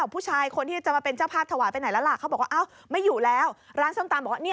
ผู้ชายคนที่มาจากที่วัดเขาบอกว่าอ้าวนี่มันเบอร์ผมนี่